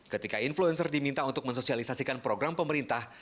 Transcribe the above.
ketika influencer diminta untuk mensosialisasikan program pemerintah